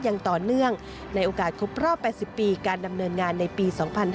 อย่างต่อเนื่องในโอกาสครบรอบ๘๐ปีการดำเนินงานในปี๒๕๕๙